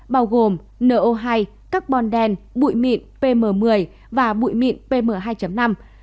bao gồm no hai carbon đen bụi mịn pm một mươi và bụi mịn pm hai năm